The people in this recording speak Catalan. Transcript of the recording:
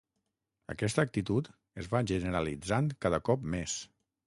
Aquesta actitud es va generalitzant cada cop més.